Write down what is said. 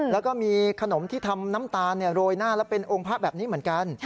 แล้วก็มีขนมที่ทำน้ำตาลโรยหน้าแล้วเป็นองค์พระแบบนี้เหมือนกัน